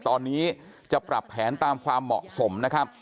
ตอนนี้จะปรับแผนตามความเหมาะสมนะครับ